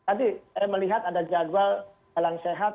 tadi saya melihat ada jadwal jalan sehat